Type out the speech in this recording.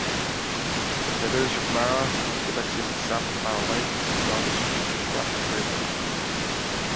The village of Mara still exists south of Mara Lake along the Shuswap River.